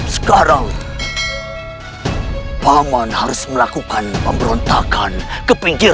sekarang paman harus melakukan pemberontakan ke pinggiran